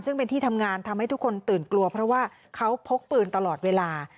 ซึ่งเป็นที่ทำงานทำให้ทุกคนตื่นกลัวเพราะว่าเขาพกปืนตลอดเวลา